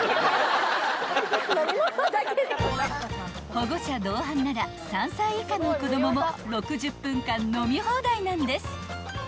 ［保護者同伴なら３歳以下の子供も６０分間飲み放題なんです］